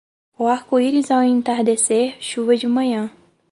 O arco-íris ao entardecer, chuva de manhã.